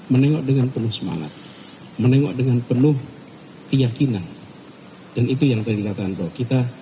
menengok dengan penuh semangat menengok dengan penuh keyakinan dan itu yang terlihat antro kita